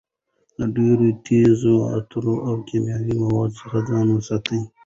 له ډېرو تېزو عطرو او کیمیاوي موادو څخه ځان وساتئ.